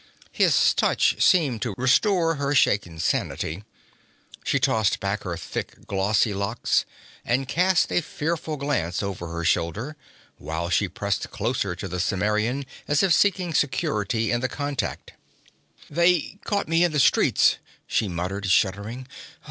His touch seemed to restore her shaken sanity. She tossed back her thick, glossy locks and cast a fearful glance over her shoulder, while she pressed closer to the Cimmerian as if seeking security in the contact. 'They caught me in the streets,' she muttered, shuddering.